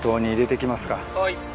はい。